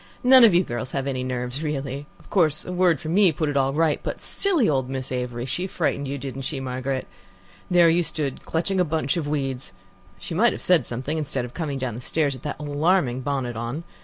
"None of you girls have any nerves, really. Of course, a word from me put it all right, but silly old Miss Avery she frightened you, didn't she, Margaret? There you stood clutching a bunch of weeds. She might have said something, instead of coming down the stairs with that alarming bonnet on.